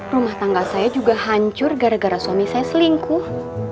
rumah tangga saya juga hancur gara gara suami saya selingkuh